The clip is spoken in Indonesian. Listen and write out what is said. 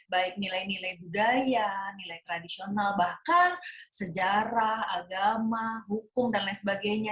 baik nilai nilai budaya nilai tradisional bahkan sejarah agama hukum dan lain sebagainya